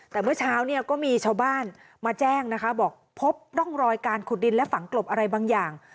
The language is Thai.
แต่เมื่อเช้าเนี่ยก็มีชาวบ้านมาแจ้งนะคะบอกพบร่องรอยการขุดดินและฝังกลบอะไรบางอย่าง